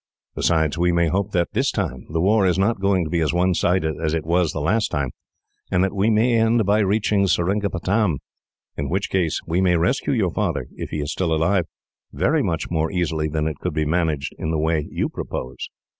Besides, we may hope that, this time, the war is not going to be as one sided as it was the last time, and that we may end by reaching Seringapatam; in which case we may rescue your father, if he is still alive, very much more easily than it could be managed in the way you propose."